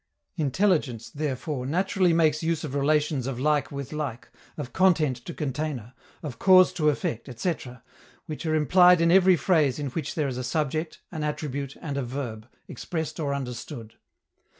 Intelligence, therefore, naturally makes use of relations of like with like, of content to container, of cause to effect, etc., which are implied in every phrase in which there is a subject, an attribute and a verb, expressed or understood.